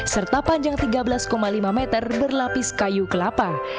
serta panjang tiga belas lima meter berlapis kayu kelapa